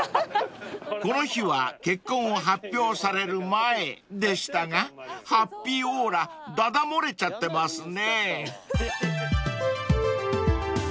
［この日は結婚を発表される前でしたがハッピーオーラだだ漏れちゃってますね］